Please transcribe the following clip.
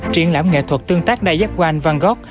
triển lãm nghệ thuật tương tác đa giác quan van gogh